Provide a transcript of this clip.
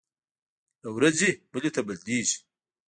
له ورځې بلې ته بدلېږي.